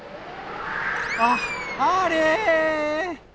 あっあれ。